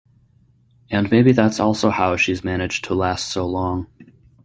And maybe that's also how she's managed to last so long.